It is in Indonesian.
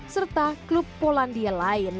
serta klub polandia lain